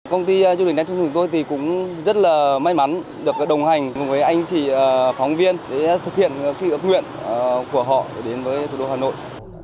công ty chương trình này chung với tôi thì cũng rất là may mắn được đồng hành với anh chị phóng viên để thực hiện ước nguyện của họ đến với thủ đô hà nội